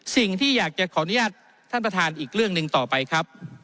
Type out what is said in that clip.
สิ่งที่อยากจะขออนุญาตท่านประธานอีกเรื่องหนึ่งต่อไปครับ